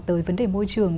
tới vấn đề môi trường